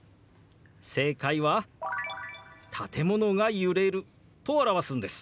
正解は「建物が揺れる」と表すんです。